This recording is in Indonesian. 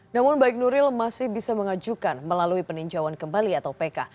namun baik nuril masih bisa mengajukan melalui peninjauan kembali atau pk